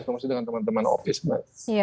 maksudnya dengan teman teman oop sebagainya